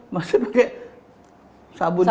masih pakai sabun hotel